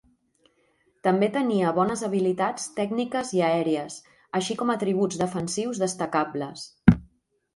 També tenia bones habilitats tècniques i aèries, així com atributs defensius destacables.